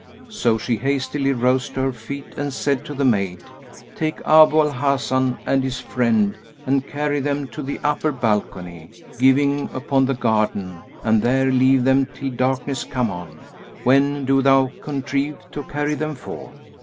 So she hastily rose to her feet and said to the maid, "Take Abu al Hasan and his friend and carry them to the upper balcony[FN#187] giving upon the garden and there leave them till darkness come on; when do thou contrive to carry them forth."